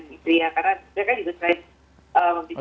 mimpi ya karena mereka juga selain